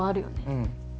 うん。